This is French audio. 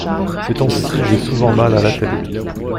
Ces temps-ci j’ai souvent mal à la tête.